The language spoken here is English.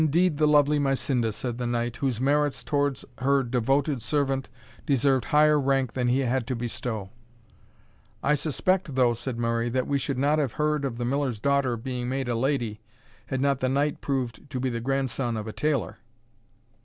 "It is indeed the lovely Mysinda," said the knight, "whose merits towards her devoted servant deserved higher rank than he had to bestow." "I suspect, though," said Murray, "that we should not have heard of the Miller's daughter being made a lady, had not the knight proved to be the grandson of a tailor."